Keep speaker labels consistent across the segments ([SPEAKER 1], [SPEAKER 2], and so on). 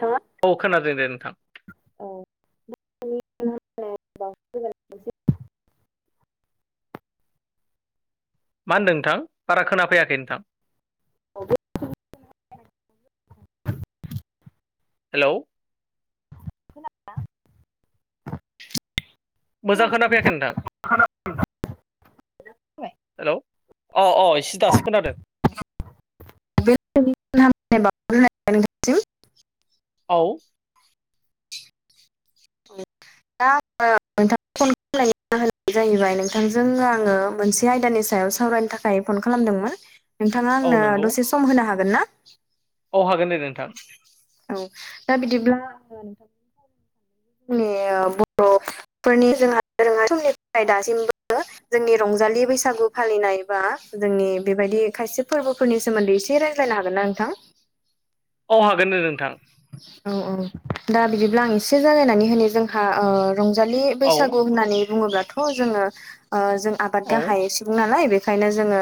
[SPEAKER 1] नोंथाङा
[SPEAKER 2] औ खोनादों दे नोंथां मा होनदों नोंथां बारा खोनाफैयाखै नोंथां हेलौ
[SPEAKER 1] [unintelligible]
[SPEAKER 2] मोजां खोनाफैयाखै नोंथां हेल' अ अ इसे दासो खोनादों
[SPEAKER 1] [unintelligible]
[SPEAKER 2] औ
[SPEAKER 1] [unintelligible] जाहोनानो जाहैबाय नोंथांजों आङो मोनसे आयदानि सायाव सावरायनो थाखाय फन खालामदोंमोन नोंथाङा
[SPEAKER 2] औ
[SPEAKER 1] आंनो
[SPEAKER 2] नंगौ
[SPEAKER 1] दसे सम होनो हागोन ना
[SPEAKER 2] औ हागोन दे नोंथां
[SPEAKER 1] औ दा बिदिब्ला [unintelligible] नि बर' फोरनि जोंहा दोरोङारि समनिफ्राय दासिमबो जोंनि रंजालि बैसागु फालिनाय बा जोंनि बेबायदि खायसे फोरबो फोरनि सोमोन्दै एसे रायज्लायनो हागोनना नोंथां
[SPEAKER 2] औ हागोन दे नोंथां
[SPEAKER 1] औ औ दा बिदिब्ला आं एसे जालायनानै होनि ओ जोंहा रंजालि
[SPEAKER 2] औ
[SPEAKER 1] बैसागु होननानै बुङोब्लाथ जोङो ओ जों आबाद‌
[SPEAKER 2] औ
[SPEAKER 1] गाहाय सुबुं नालाय बेखायनो जोङो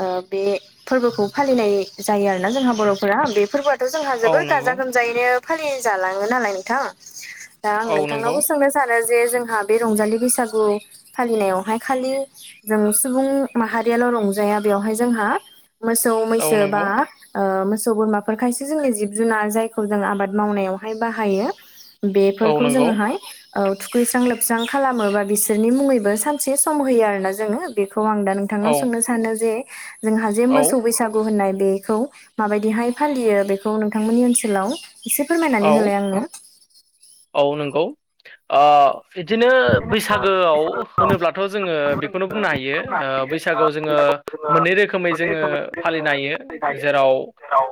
[SPEAKER 1] ओ बे फोरबोखौ फालिनाय जायो आरोना जोंहा बर'फोरा बे फोरबोआथ जोंहा
[SPEAKER 2] औ
[SPEAKER 1] जोबोर गाजा
[SPEAKER 2] नंगौ
[SPEAKER 1] गोमजायैनो फालि जालाङो नालाय नोंथां दा आं
[SPEAKER 2] औ नंगौ
[SPEAKER 1] नोंथांनावबो सोंनोसै सानो जे जोंहा बे रंजालि बैसागु फालिनायावहाय खालि जों सुबुं माहारियाल रंजाया बेवहाय जोंहा मोसौ
[SPEAKER 2] औ
[SPEAKER 1] मैसो
[SPEAKER 2] नंगौ
[SPEAKER 1] बा ओ मोसौ बोरमाफोर खायसो जोंनि जिब जुनार जायखौ जोङो आबाद मावनायावहाय बाहायो
[SPEAKER 2] औ
[SPEAKER 1] बेफोरखौ
[SPEAKER 2] नंगौ
[SPEAKER 1] जोङोहाय औ थुखैस्रां लोबस्रां खालामो बा बिसोरनि मुङैबो सानसे सम होयो आरोना जोङो बेखौ आं दा नों
[SPEAKER 2] औ
[SPEAKER 1] थांनाव सोंनो सानो जे जोंहा जे
[SPEAKER 2] औ
[SPEAKER 1] मोसौ बैसागु गु होननाय बेखौ माबायदिहाय फालियो बेखौ नोंथांमोननि ओनसोलाव एसे फोरमायनानै
[SPEAKER 2] औ
[SPEAKER 1] होलाय आंनो
[SPEAKER 2] औ नंगौ आ बिदिनो बैसागोआव होनोब्लाथ जोङो बेखौनो बुंनो हायो बैसागोआव जोङो मोननै रोखोमै जोङो फालिनो हायो जेराव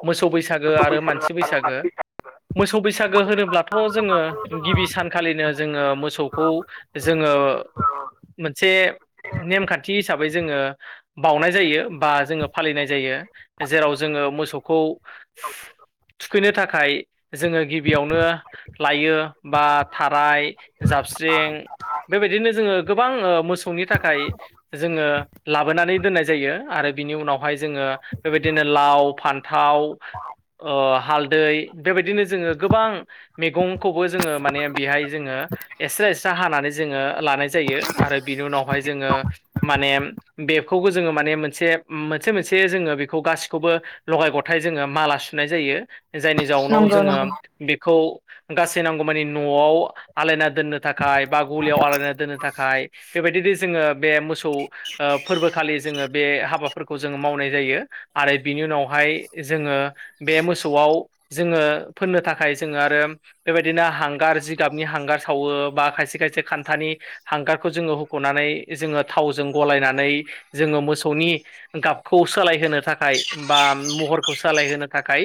[SPEAKER 2] मोसौ बैसागो आरो मानसि बैसागो मोसौ बैसागो होनोब्लाथ जोङो गिबि सान खालिनो जोङो मोसौखौ जोङो मोनसे नेमखानथि हिसाबै जोङो बाउनाय जायो बा जोङो फालिनाय जायो जेराव जोङो मोसौखौ थुखैनो थाखाय जोङो गिबियावनो लायो बा थाराय जाबस्रिं बेबायदिनो जोङो गोबां मोसौनि थाखाय जोङो लाबोनानै दोननाय जायो आरो बिनि उनावहाय जोङो बेबायदिनो लाव फानथाव ओ हालदै बेबायदिनो जोङो गोबां मेगंखौबो जोङो माने बेहाय जोङो एसे एसे हानानै जोङो लानाय जायो आरो बिनि उनावहाय जोङो माने बेखौबो जोङो माने मोनसे मोनसे मोनसे जोङो बेखौ गासिखौबो लगाय गथाय जोङो माला सुनाय जायो जायनि जाउनाव
[SPEAKER 1] नंगौ
[SPEAKER 2] जोङो
[SPEAKER 1] नंगौ
[SPEAKER 2] बेखौ गासै नांगौमानि न'आव आलायना दोननो थाखाय बा गलियाव आलायना दोननो थाखाय बेबायदिनो जोङो बे मोसौ फोरबोखालि जोङो बे हाबा फोरखौ जोङो मावनाय जायो आरो बिनि उनावहाय जोङो बे मोसौआव जोङो फोननो थाखाय जोङो आरो बेबायदिनो हांगार जिगाबनि हांगार सावो बा खायसे खायसे खानथानि हांगारखौ जोङो हुखनानै जोङो थावजों गलायनानै जोङो मोसौनि गाबखौ सोलायहोनो थाखाय बा महरखौ सोलायहोनो थाखाय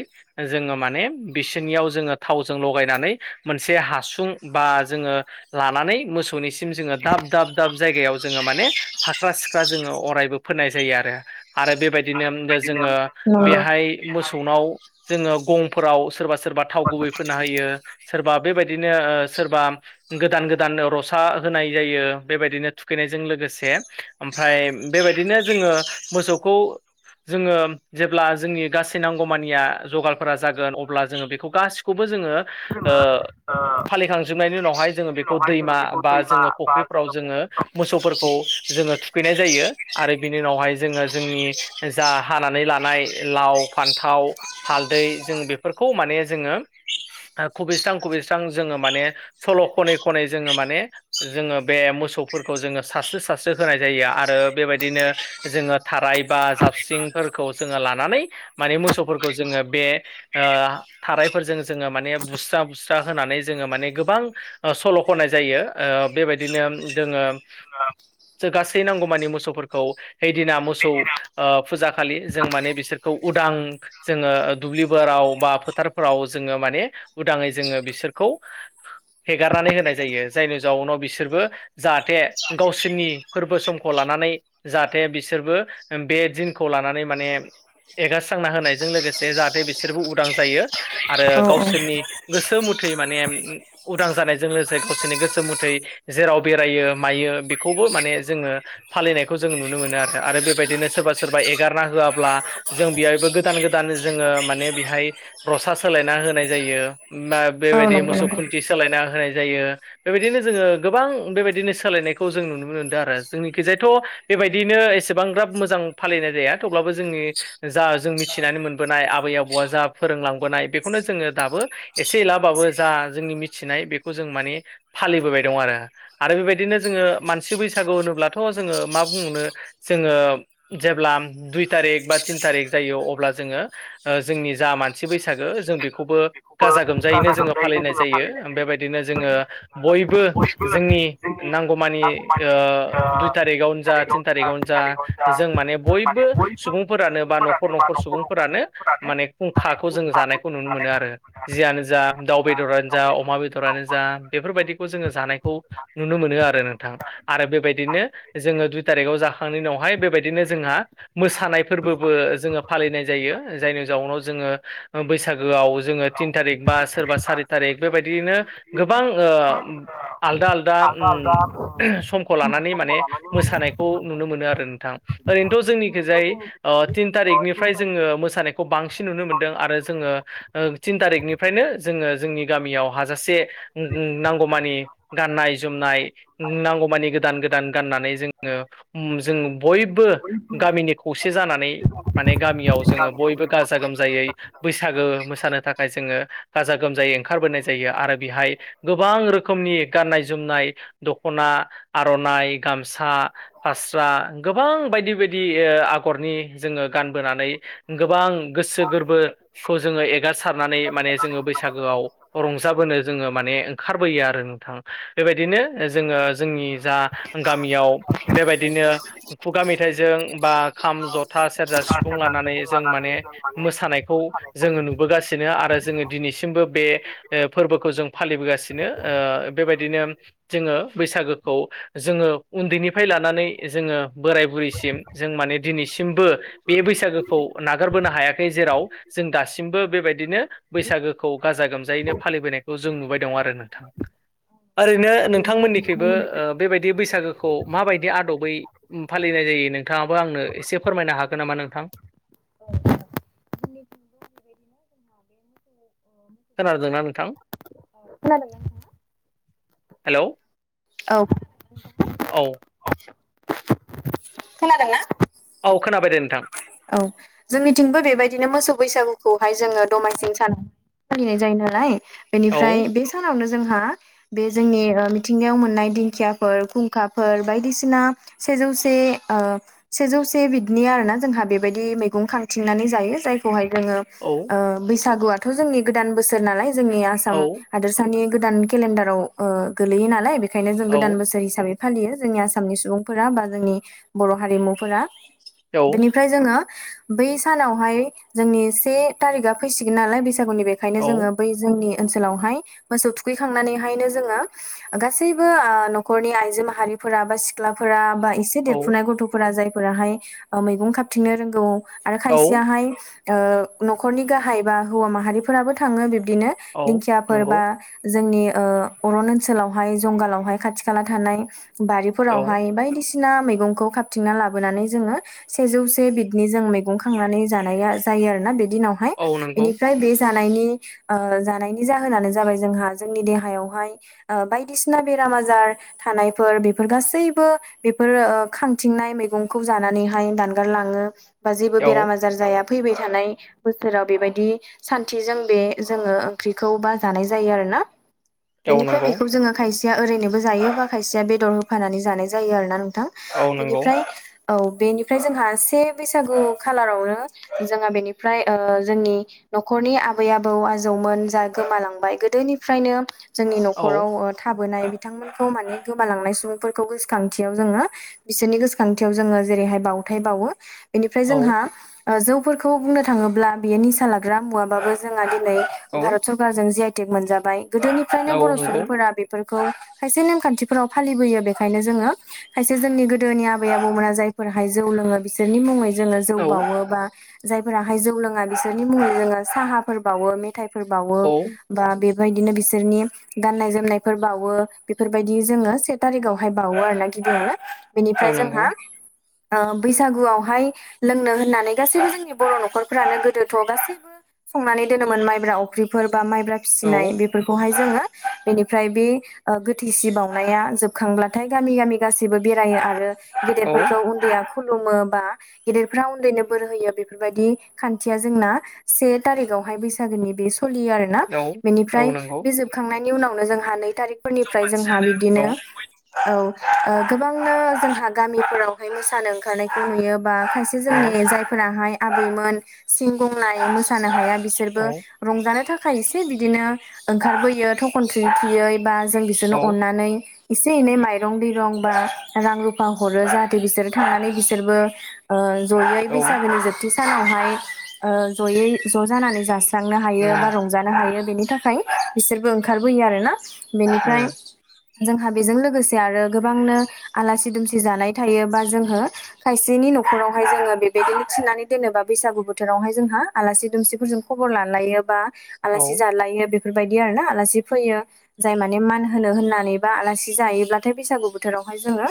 [SPEAKER 2] जोङो माने बिसोरनियाव जोङो थावजों लगाय नानै मोनसे हासुं बा जो लानानै मोसौ मोसौनिसिम जोङो दाब दाब दाब जायगायाव जोङो माने फाख्रा सिख्रा जोङो अरायबो फोननाय जायो आरो आरो बेबायदिनो
[SPEAKER 1] आरो बेबायदिनो
[SPEAKER 2] जोङो
[SPEAKER 1] नंगौ
[SPEAKER 2] बेहाय मोसौनाव जोङो गंफोराव सोरबा सोरबा थाव गुबै फोनना होयो सोरबा बेबायदिनो सोरबा गोदान गोदान रसा होनाय जायो बेबायदिनो थुखैनायजों लोगोसे ओमफ्राय बेबायदिनो जोङो मोसौखौ जोङो जेब्ला जोंनि गासै नांगौमानिया जगारफोरा जागोन अब्ला जोङो बेखौ गासिखौबो खौबो जोङो ओ फालिखांजोबनायनि उनावहाय जोङो बेखौ दैमा बा जोङो फुख्रिफ्राव जोङो मोसौफोरखौ जोङो थुखैनाय जायो आरो बिनि उनावहाय जोङो जोंनि जा हानानै लानाय लाव फान थाव हालदै जों बेफोरखौ माने जोङो खुबैस्रां खुबैस्रां जोङो माने सल' खनै खनै जोङो माने जोङो बे मोसौफोरखौ जोङो सारस्रि सारस्रि होनाय जायो आरो बेबायदिनो जोङो थाराय बा जा हाबसिंफोरखौ जोङो लानानै माने मोसौफोरखौ जोङो बे ओ थाराइफोरजों जोङो माने बुसु बुस्रा बुस्रा होनानै जोङो माने गोबां सल' ख'नाय जायो बेबायदिनो जोङो जों गासै नांगौमानि मोसौफोरखौ हैैदिना मोसौ फुजा खालि जों माने बिसोरखौ उदां जोङो दुब्लिफोराव बा फोथारफोराव जोङो माने उदाङै जोङो बिसोरखौ हेगारनानै होनाय जायो जायनि जाउनाव बिसोरबो जाहाथे गावसोरनि फोरबो समखौ लानानै जाहाथे बिसोरबो बे दिनखौ लानानै माने एगारस्रांना होनायजों लोगोसे जाहाथे बिसोरबो उदां जायो आरो
[SPEAKER 1] औ
[SPEAKER 2] गावसोरनि गोसो मुथै माने उदां जानायजों लोगोसे गावसोरनि गोसो मुथै जेराव बेरायो मायो बेखौबो माने जोङो फालिनायखौ जों नुनो मोनो आरो आरो बेबायदिनो सोरबा सोरबा एगारना होआब्ला जों बेहायबो गोदान गोदान जोङो माने बेहाय रसा सोलायना होनाय जायो मा
[SPEAKER 1] औ
[SPEAKER 2] बेबायदि
[SPEAKER 1] नंगौ
[SPEAKER 2] मोसौ
[SPEAKER 1] नंगौ
[SPEAKER 2] खुन्थि सोलायना होनाय जायो बेबायदिनो जोङो गोबां बेबायदिनो सोलायनायखौ जों नुनो मोनदों आरो जोंनिखिजायथ' बेबायदियनो एसेबांब्राब मोजां फालिनाय जाया थेवब्लाबो जोंनि जा जों मिथिनानै मोनबोनाय आबै आबौआ जा फोरोंलांबोनाय बेखौनो जोङो दाबो एसे एलाबाबो जा जोंनि मिथिनाय बेखौ जों माने फालिबोबाय दं आरो आरो बेबायदिनो जोङो मानसि बैसागु होनोब्लाथ' जोङो मा बुंनो जोङो जेब्ला दुइ थारिख बा थिन थारिक जायो अब्ला जोङो जोंनि जा मानसि बैसागो जों बेखौबो गाजा गोमजायैनो जोङो फालिनाय जायो बेबायदि बिदिनो जोङो बयबो जोंनि नांगौमानि दुइ थारिगावनो जा थिन थारिकावनो जा जों माने बयबो सुबुंफोरानो बा न'खर न'खर सुबुंफोरानो माने फुंखाखौ जों जानायखौ नुनो मोनो आरो जियानो जा दाउ बेदरानो जा अमा बेदरानो जा बेफोरबायदिखौ जोङो जानायखौ नुनो मोनो आरो नोंथां आरो बेबायदिनो जोङो दुइ थारिखआव जाखांनायनि उनावहाय बेबायदिनो जोंहा मोसानाय फोरबोबो जोङो फालिनाय जायो जायनि जाउनाव जोङो बैसागोआव जोङो थिन थारिक बा सोरबा सारि थारिक बेबायदियनो गोबां आलदा आलदा दा समखौ लानानै माने मोसानायखौ नुनो मोनो आरो नोंथां ओरैनोथ' जोंनिखैजाय तिन थारिकनिफ्राय जोङो मोसानायखौ बांसिन नुनो मोनदों आरो जोङो ओ थिन थारिखनिफ्रायनो जोङो जोंनि गामियाव हाजासे नांगौमानि गाननाय जोमनाय नांगौमानि गोदान गोदान गाननानै जोङो जों बयबो गामिनि खौसे जानानै माने गामियाव जोङो बयबो गाजा गोमजायै बैसागो मोसानो थाखाय जोङो गाजा गोमजायै ओंखारबोनाय जायो आरो बेहाय गोबां रोखोमनि गाननाय जोमनाय दख'ना आर'नाइ गामसा फास्रा गोबां बायदि बायदि आगरनि जोङो गानबोनानै गोबां गोसो गोरबोखौ जोङो एगारसारनानै माने जोङो बैसागोआव रंजाबोनो जोङो माने ओंखारबोयो आरो नोंथां बेबायदिनो जोङो जोंनि जा गामियाव बेबायदिनो खुगा मेथाइजों बा खाम जथा सेरजा लानानै जों माने मोसानायखौ जोङो नुनो बगासिनो आरो जोङो दिनैसिमबो बे फोरबोखौ जों फालिबोगासिनो बेबायदिनो जोङो बैसागोखौ जोङो उन्दैनिफ्राय लानानै जोङो बोराय बुरैसिम जों माने दिनैसिमबो बे बैसागोखौ नागारबोनो हायाखै जेराव जों दासिम मबो बेबायदिनो बैसागोखौ गाजा गोमजायैनो फालिबोनायखौ जों नुबाय दं आरो नोंथां ओरैनो नोंथांमोननिख्रुइबो बेबायदि बैसागोखौ माबायदि आदबै फालिनाय जायो नोंथाङाबो आंनो एसे फोरमायनो हागोन नामा नोंथां खोनादोंना नोंथां
[SPEAKER 1] खोनादों
[SPEAKER 2] हेल'
[SPEAKER 1] औ
[SPEAKER 2] औ
[SPEAKER 1] खोनादों ना
[SPEAKER 2] औ खोनाबाय दे नोंथां
[SPEAKER 1] औ जोंनिथिंबो बेबायदिनो मोसौ बैसागुखौहाय जोङो दमासिनि सानाव फालिनाय जायो नालाय
[SPEAKER 2] औ
[SPEAKER 1] बेनिफ्राय बे सानावनो जोंहा बे जोंनि मिथिंगायाव मोननाय दिंखियाफोर खुंखाफोर बायदिसिना सेजौसे सेजौसे बिदिनि आरोना जोंहा बे बेबायदि मैगं खांथिंनानै जायो जायखौहाय जोङो
[SPEAKER 2] औ
[SPEAKER 1] ओ बैसागुआथ' जोंनि गोदान बोसोर नालाय जोंनि आसाम
[SPEAKER 2] औ
[SPEAKER 1] हादोरसानि गोदान केलेन्डाराव गोलैयो नालाय बेखायनो जों
[SPEAKER 2] औ
[SPEAKER 1] गोदान बोसोर हिसाबै फालियो जोंनि आसामनि सुबुंफोरा बा जोंनि बर' हारिमुफोरा
[SPEAKER 2] औ
[SPEAKER 1] बेनिफ्राय जोङो बै सानावहाय जोंनि से थारिकआ फैसिगोन नालाय बैसागुनि बे ओंखायनो जोङो
[SPEAKER 2] औ
[SPEAKER 1] बै जोंनि ओनसोलावहाय मोसौ थुखैखांनानैहायनो जोङो गासैबो न'खरनि आइजो माहारि फोरा बा सिख्लाफोरा बा ए खायसे
[SPEAKER 2] औ
[SPEAKER 1] देरफुनाय गथ'फोरा जायफोराहाय मैगं खााबथिंनो रोंगौ आरो
[SPEAKER 2] औ
[SPEAKER 1] खायसेयाहाय न'खरनि गाहाय बा हौवा माहारिफोराबो थाङो बिबदिनो
[SPEAKER 2] औ
[SPEAKER 1] दिंखियाफोर
[SPEAKER 2] नंगौ
[SPEAKER 1] बा जोंनि अरन ओनसोलावहाय जंगालावहाय खाथि खाला थानाय बारि
[SPEAKER 2] औ
[SPEAKER 1] फोरावहाय बायदिसिना मैगंखौ खाबथिंना लाबोनानै जोंङो बिदिनो जों मैगं खांनानै जानाया जायो आरोना बे दिनावहाय
[SPEAKER 2] औ नंगौ
[SPEAKER 1] बेनिफ्राय बे जानायनि जानायनि जाहोनानो जाबाय जोंहा जोंनि देहायावहाय बायदिसिना बेराम आजार थानायफोर बेफोर गासैबो बेफोर खांथिंनाय मैगंखौ जानानैहाय दान नागारलाङो बा जेबो
[SPEAKER 2] औ
[SPEAKER 1] बेराम आजार जाया फैबाय थानाय बोसोराव बेबायदि सान्थिजों बे जोङो ओंख्रिखौ बा जानाय जायो आरो ना
[SPEAKER 2] औ
[SPEAKER 1] बेनिफ्राय
[SPEAKER 2] नंगौ
[SPEAKER 1] बेखौ जोङो खायसेया ओरैनोबो जायोबा खायसेया बेदर होफानानै जानाय जायो आरो ना नोंथां
[SPEAKER 2] औ नंगौ
[SPEAKER 1] बेनिफ्राय औ बेनिफ्राय जेन जोंहा से बैसागु खालारावनो जोंहा बेनिफ्राय जोंनि न'खरनि आबै आबौ आजौमोन जा गोमालांबाय गोदोनिफ्रायनो जोंनि
[SPEAKER 2] औ
[SPEAKER 1] न'खराव थाबोनाय बिथांमोनखौ माने गोमालांनाय सुबुंफोरखौ गोसोखांथियाव जोङो बिसोरनि गोसोखांथियाव जोङो जेरैहाय बावथाय बावो बेनिफ्राय
[SPEAKER 2] औ
[SPEAKER 1] जोंहा जौफोरखौ बुंनो थाङोब्ला बेयो निसा लाग्रा मुवाबाबो जोंहा दिनै
[SPEAKER 2] औ
[SPEAKER 1] भारत सरकार कुकार जि आइ टेक मोनजाबाय गोदोनिफ्रायनो
[SPEAKER 2] औ
[SPEAKER 1] बर'
[SPEAKER 2] नंगौ
[SPEAKER 1] सुबुंफोरा बे बेफोरखौ खायसे नेमखान्थिफोराव फालिबोयो बेखायनो जोङो खायसे जोंनि गोदोनि आबै आबौमोना जायफोरहाय जौ लोङो बिसोरनि मुङै जोङो जौ
[SPEAKER 2] औ
[SPEAKER 1] बावो बा जायफोराहाय जौ लोङा बिसोरनि मुङै जोङो साहाफोर बावो मेथाइफोर बावो
[SPEAKER 2] औ
[SPEAKER 1] बा बेबायदिनो बिसोरनि गाननाय जोमनायफोर बावो बेफोरबायदि जोङो से थारिखावहाय बावो आरो ना गिबियावनो
[SPEAKER 2] औ
[SPEAKER 1] बेनिफ्राय
[SPEAKER 2] नंगौ
[SPEAKER 1] जोंहा बैसागुआवहाय लोंनो होननानै गासैबो जोंनि बर' न'खरफ्रानो गोदोथ' गासैबो संनानै दोनोमोन माइब्रा अफ्रिफोर बा माइब्रा
[SPEAKER 2] औ
[SPEAKER 1] फिसिनाय बे बेफोरखौहाय जोङो बेनिफ्राय बे गोथैसि बावउनाया जोबखांब्लाथाय गामि गामि गासैबो बेरायो आरो
[SPEAKER 2] औ
[SPEAKER 1] गेदेरफोरखौ या खुलुमो बा गेदेरफ्रा उन्दैनो बोर होयो बेफोरबायदि खान्थिया जोंना से थारिखावहाय बैसागोनि बे सोलियो आरोना
[SPEAKER 2] औ
[SPEAKER 1] बेनिफ्राय
[SPEAKER 2] नंगौ
[SPEAKER 1] बे खांनायनि उनावनो जोंहा नै
[SPEAKER 2] जों
[SPEAKER 1] थारिखफोरनिफ्राय जोंहा
[SPEAKER 2] मानसियानो औ
[SPEAKER 1] बिब्दिनो औ गोबांनो जोंहा गामिफोरावहाय मोसानो ओंखारनायखौ नुयो बा खायसे
[SPEAKER 2] औ
[SPEAKER 1] जोंनि जायफोराहाय आबैमोन सिं गंनाबो मोसानो हाया बिसोरबो
[SPEAKER 2] औ
[SPEAKER 1] रंजानो थाखाय एसे बिदिनो ओंखारबोयो थखन थुयै थुयै बा जों
[SPEAKER 2] औ
[SPEAKER 1] बिसोरनो अननानै एसे एनै माइरं दैरं बा रां रुफा हरो बिसोरो थांनानै बिसोरबो जयै
[SPEAKER 2] उम
[SPEAKER 1] बैसागोनि जोब खाथि सानावहाय जयै ज' जानानै जास्रांनो हायो बा रंज रंजानो हायो बेनि थाखाय बिसोरबो ओंखारबोयो आरोना
[SPEAKER 2] उम औ
[SPEAKER 1] बेनिफ्राय जोंहा बेजों लोगोसे आरो गोबांनो आलासि दुमसि जानाय थायो बा जोंङो खायसेनि न'खरावहाय जोङो बेबायदिनो थिनानै दोनोबा बैसागु बोथोरावहाय जोंहा आलासि दुमसिफोरजों खबर लालायो बा आलासि
[SPEAKER 2] औ
[SPEAKER 1] जालायो बेफोरबायदि आरोना आलासि फैयो जाय माने मान होनो होननानै बा आलासि जायोब्लाथाय बैसागु बोथोरावहाय जोङो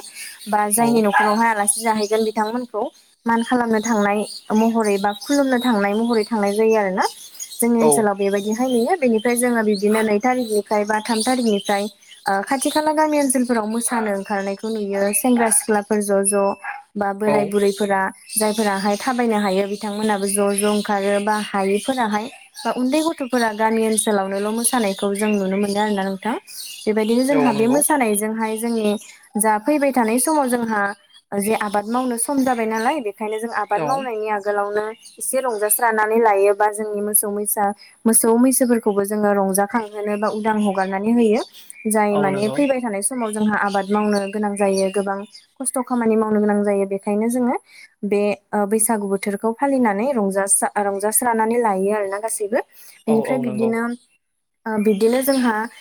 [SPEAKER 1] बा जायनि
[SPEAKER 2] औ
[SPEAKER 1] न'खरावहाय आलासि जाहैगोन बिथांमोनखौ मान खालामनो थांनाय महरै बा खुलुमनो थांनाय महरै थांनाय जायो आरोना जोंनि ओनसोलाव बेबायदिहाय नुयो बेनिफ्राय जोङो बिदिनो नै थारिखनिफ्राय बा थाम थारिखनिफ्राय खाथि खाला गामि ओनसोलफोराव मोसानो ओंखारनायखौ नुयो सेंग्रा सिख्ला सिख्लाफोर ज' ज' बा
[SPEAKER 2] औ
[SPEAKER 1] बोराय बुरै फोर जायफोराहाय थाबायनो हायो बिथांमोनहाबो ज' ज' ओंखारो बा हायैफोराहाय बा उन्दै गथ'फोरा गामि ओनसोलावनोल' मोसानायखौ जों नुनो मोनदों आरोना नोंथां बेबायदिनो
[SPEAKER 2] औ
[SPEAKER 1] जोंहा बे
[SPEAKER 2] नंगौ
[SPEAKER 1] मोसानायजोंहाय जोंनि जा फैबाय थानाय समाव जोंहा जे आबाद मावनो सम जाबाय नालाय बेखायनो जों आबाद
[SPEAKER 2] औ
[SPEAKER 1] मावनायनि आगोलावनो एसे रंजास्रानानै लायोबा जोंनि मोसौ मैसा मोसौ मैसोफोरखौबो जोङो रंजाखांहोनो बा उदां हगारनानै होयो जाय
[SPEAKER 2] औ
[SPEAKER 1] माने
[SPEAKER 2] नंगौ
[SPEAKER 1] फैबाय थानाय समाव जोंहा आबाद मावनो गोनां जायो गोबां खस्थ' खामानि मावनो गोनां जायो बेखायनो जोङो बे बैसागु बोथोरखौ फालिनानै रंजास्रा रंजास्रानानै लायो आरोना गासैबो
[SPEAKER 2] औ
[SPEAKER 1] बिनिफ्राय
[SPEAKER 2] औ नंगौ
[SPEAKER 1] बिब्दिनो बिब्दिनो जोंहा